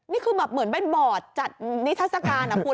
นี่คือแบบเหมือนเป็นบอร์ดจัดนิทัศกาลนะคุณ